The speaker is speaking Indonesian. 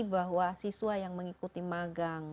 bahwa siswa yang mengikuti magang